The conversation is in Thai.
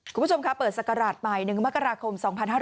คุณผู้ชมคะเปิดสักกระดาษใหม่๑มกราคม๒๕๖๓